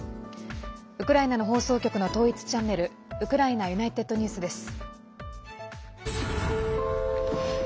ウクライナの放送局の統一チャンネルウクライナＵｎｉｔｅｄＮｅｗｓです。